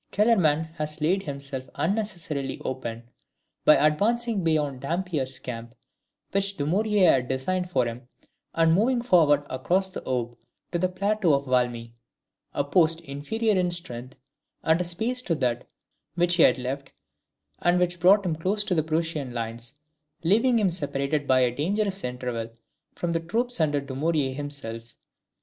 Kellerman had laid himself unnecessarily open, by advancing beyond Dampierre's Camp, which Dumouriez had designed for him, and moving forward across the Aube to the plateau of Valmy, a post inferior in strength and space to that which he had left, and which brought him close upon the Prussian lines, leaving him separated by a dangerous interval from the troops under Dumouriez himself.